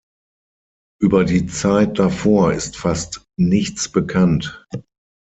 Über die Zeit davor ist fast nichts bekannt.